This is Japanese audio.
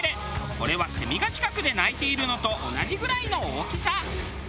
これはセミが近くで鳴いているのと同じぐらいの大きさ。